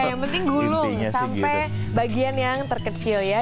yang penting gulung sampai bagian yang terkecil ya